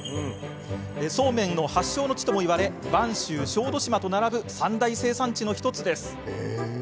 そうめんの発祥地ともいわれ播州、小豆島と並ぶ三大生産地の１つです。